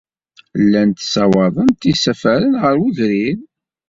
Llant ssawaḍent isafaren ɣer wegrir.